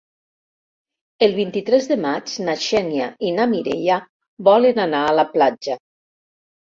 El vint-i-tres de maig na Xènia i na Mireia volen anar a la platja.